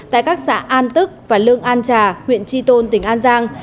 tại các xã an tức và lương an trà huyện tri tôn tỉnh an giang